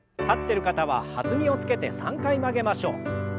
立ってる方は弾みをつけて３回曲げましょう。